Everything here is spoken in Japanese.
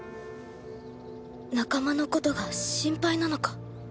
仲間のことが心配なのか